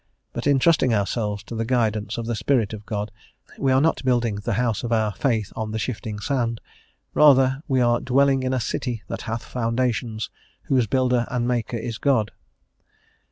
But in trusting ourselves to the guidance of the Spirit of God, we are not building the house of our faith on the shifting sand; rather are we "dwelling in a city that hath foundations, whose builder and maker is God."